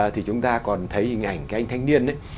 thì chúng ta còn thấy hình ảnh cái anh thanh niên ấy